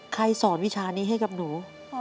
สอนวิชานี้ให้กับหนู